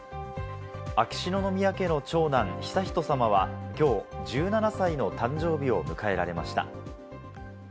秋篠宮家の長男・悠仁さまは、きょう１７歳の誕生日を迎えられました。